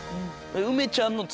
梅ちゃんの。